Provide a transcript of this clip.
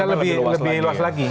ya harus dilihat lebih luas lagi